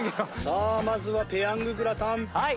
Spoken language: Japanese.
さあまずはペヤンググラタン。